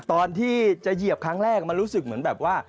ตอนที่จะเหยียบครั้งแรกมันรู้สึกเหมือนแบบว่า